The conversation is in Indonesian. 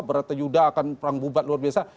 berata yudha akan perang bubat luar biasa